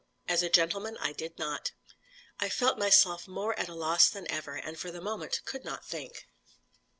As a gentleman, I did not." I felt myself more at a loss than ever, and for the moment could not think.